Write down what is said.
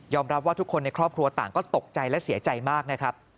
รับว่าทุกคนในครอบครัวต่างก็ตกใจและเสียใจมากนะครับ